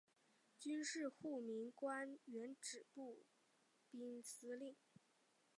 军事护民官原指步兵司令。